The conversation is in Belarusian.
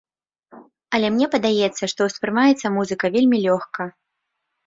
Але мне падаецца, што ўспрымаецца музыка вельмі лёгка.